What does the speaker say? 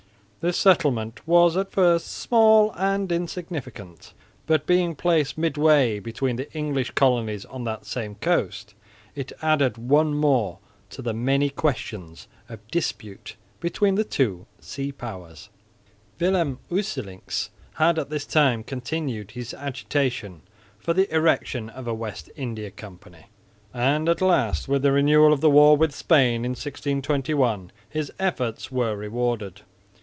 This settlement was at first small and insignificant, but, being placed midway between the English colonies on that same coast, it added one more to the many questions of dispute between the two sea powers. Willem Usselincx had all this time continued his agitation for the erection of a West India Company; and at last, with the renewal of the war with Spain in 1621, his efforts were rewarded.